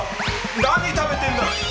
何食べてんだよ！